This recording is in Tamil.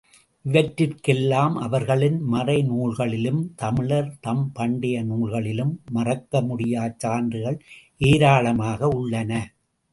இவற்றிற்கெல்லாம் அவர்களின் மறைநூல்களிலும் தமிழர் தம் பண்டைய நூல்களிலும் மறுக்கமுடியாச் சான்றுகள் ஏராளமாக உள்ளன.